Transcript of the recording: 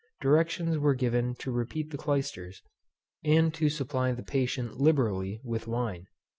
Directions were given to repeat the clysters, and to supply the patient liberally with wine.